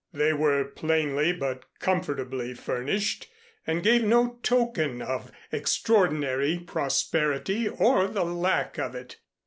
They were plainly but comfortably furnished, and gave no token of extraordinary prosperity or the lack of it.